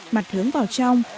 mặt hướng vào trong